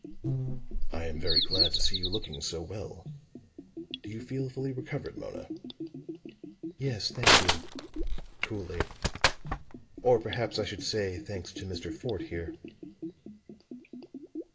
"I am very glad to see you looking so well. Do you feel fully recovered, Mona?" "Yes, thank you," coolly. "Or perhaps I should say, thanks to Mr. Fort, here."